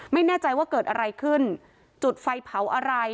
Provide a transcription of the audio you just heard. ไม่แน่ใจว่าเกิดอะไรขึ้นจุดไฟเผาอะไร